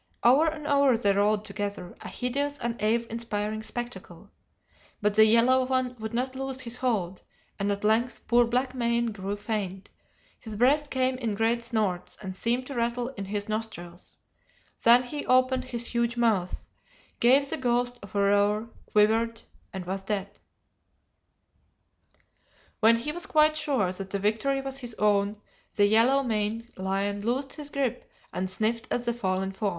Over and over they rolled together, a hideous and awe inspiring spectacle, but the yellow one would not loose his hold, and at length poor black mane grew faint, his breath came in great snorts and seemed to rattle in his nostrils, then he opened his huge mouth, gave the ghost of a roar, quivered, and was dead. "When he was quite sure that the victory was his own, the yellow maned lion loosed his grip and sniffed at the fallen foe.